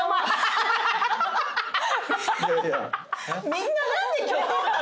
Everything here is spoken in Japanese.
みんな。